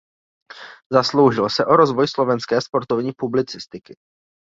Zasloužil se o rozvoj slovenské sportovní publicistiky.